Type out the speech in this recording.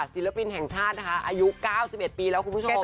ศิลปินแห่งชาตินะคะอายุ๙๑ปีแล้วคุณผู้ชม